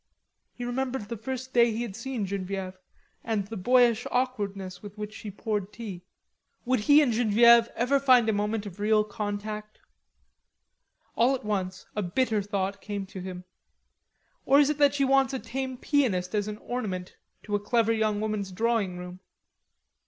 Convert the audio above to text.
He remembered the day he had first seen Genevieve, and the boyish awkwardness with which she poured tea. Would he and Genevieve ever find a moment of real contact? All at once a bitter thought came to him. "Or is it that she wants a tame pianist as an ornament to a clever young woman's drawing room?"